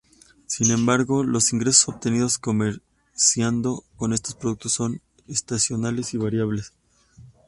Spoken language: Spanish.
Sin embargo, los ingresos obtenidos comerciando con estos productos son estacionales y variables.